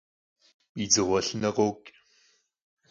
Yi dzığue lhıne khoç'.